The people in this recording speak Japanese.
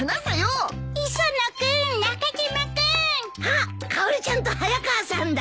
あっかおりちゃんと早川さんだ。